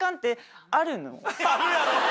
あるやろ！